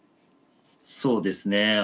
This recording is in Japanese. そうですね。